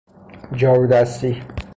جارو دستی